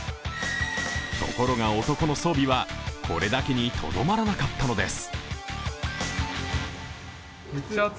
ところが男の装備は、これだけにとどまらなかったのです。